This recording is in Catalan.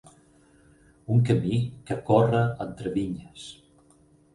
Un camí que corre entre vinyes.